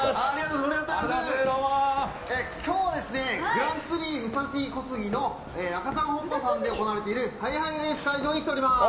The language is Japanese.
今日はグランツリー武蔵小杉のアカチャンホンポさんで行われているハイハイレース会場に来ております。